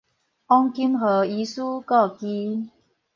王金河醫師故居